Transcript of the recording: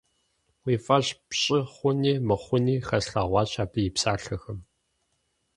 Уи фӀэщ пщӀы хъуни мыхъуни хэслъэгъуащ абы и псалъэхэм.